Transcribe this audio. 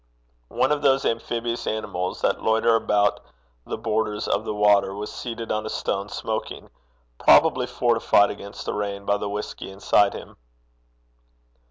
One of those amphibious animals that loiter about the borders of the water was seated on a stone smoking, probably fortified against the rain by the whisky inside him.